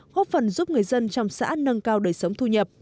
góp phần giúp người dân trong xã nâng cao đời sống thu nhập